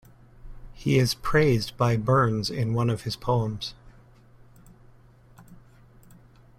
He is praised by Burns in one of his poems.